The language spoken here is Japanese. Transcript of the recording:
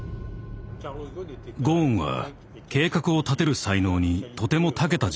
ゴーンは計画を立てる才能にとても長けた人物です。